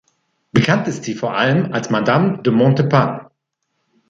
Bekannt ist sie vor allem als Madame de Montespan.